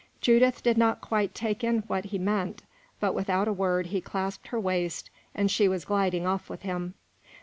Judith did not quite take in what he meant, but without a word he clasped her waist, and she was gliding off with him.